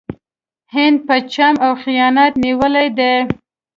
هند په چم او خیانت نیولی دی.